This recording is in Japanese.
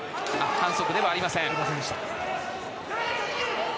反則ではありません。